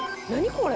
これ。